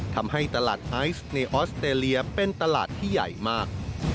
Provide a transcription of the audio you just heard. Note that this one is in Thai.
ทำให้ตลาดไอซ์ในออสเตรเลียเป็นตลาดที่ใหญ่มาก